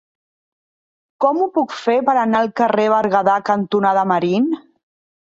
Com ho puc fer per anar al carrer Berguedà cantonada Marín?